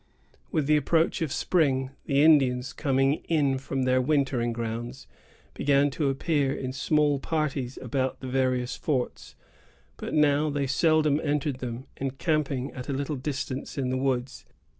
With the approach of spring, the Indians, coming in from their wintering grounds, began to appear in small parties about the various forts; but now they seldom entered them, encamping at a little distance in the woods.